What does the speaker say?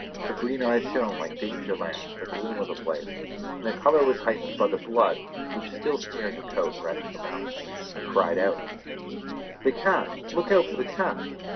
Her green eyes shone like danger lamps in the gloom of the place, and their colour was heightened by the blood which still smeared her coat and reddened her mouth. I cried out: "The cat! look out for the cat!"